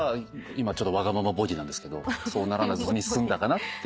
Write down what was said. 今わがままボディーなんですけどそうならずに済んだかなっていう話です。